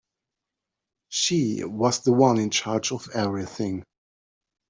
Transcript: She was the one in charge of everything.